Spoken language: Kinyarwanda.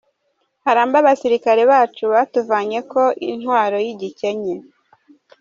Harambe abasirikare bacu batuvanyeko intwaro y’igikenye.